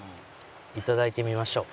いただいてみましょう。